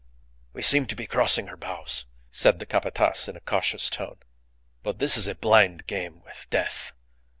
"We seem to be crossing her bows," said the Capataz in a cautious tone. "But this is a blind game with death.